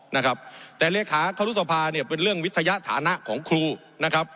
นะครับแต่เลขาครุสภาเนี่ยเป็นเรื่องวิทยาฐานะของครูนะครับ